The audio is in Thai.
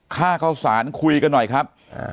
ค่าเข้าสารคุยกันหน่อยครับ